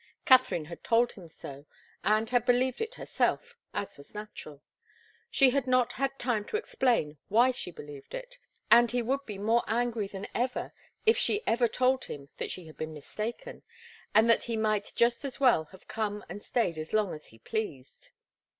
Katharine had told him so, and had believed it herself, as was natural. She had not had time to explain why she believed it, and he would be more angry than ever if she ever told him that she had been mistaken, and that he might just as well have come and stayed as long as he pleased.